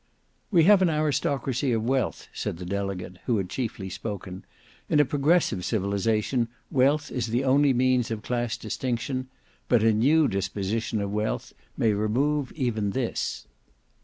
"We have an aristocracy of wealth," said the delegate who had chiefly spoken. "In a progressive civilization wealth is the only means of class distinction: but a new disposition of wealth may remove even this."